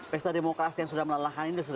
pesta demokrasi yang sudah melahani